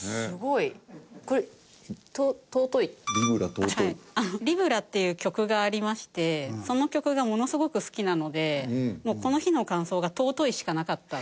「『リブラ』尊い」『リブラ』っていう曲がありましてその曲がものすごく好きなのでもうこの日の感想が「尊い」しかなかった。